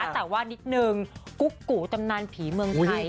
แต่ว่านิดนึงกุ๊กกูตำนานผีเมืองไทย